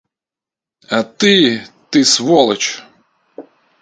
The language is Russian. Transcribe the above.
А ты… ты – сволочь!